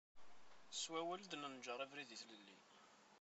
S wawal i d-nenjer abrid i tlelli.